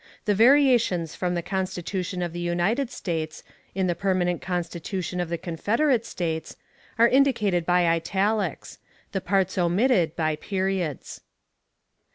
The variations from the Constitution of the United States, in the permanent Constitution of the Confederate States, are indicated by italics; the parts omitted by periods.